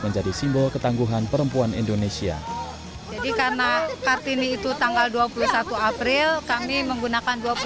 menjadi simbol ketangguhan perempuan indonesia jadi karena kartini itu tanggal dua puluh satu april kami menggunakan